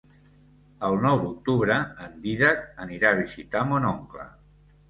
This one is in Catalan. El nou d'octubre en Dídac anirà a visitar mon oncle.